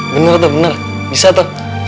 bener tuh bener bisa tuh